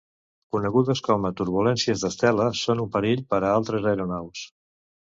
Conegudes com a turbulències d'estela, són un perill per a altres aeronaus.